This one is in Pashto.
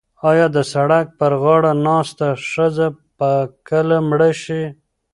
ایا د سړک پر غاړه ناسته ښځه به کله مړه شي؟